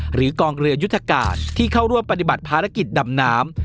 กองเรือยุทธการที่เข้าร่วมปฏิบัติภารกิจดำน้ำ